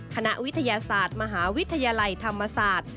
คณะวิทยาศาสตร์มหาวิทยาลัยธรรมศาสตร์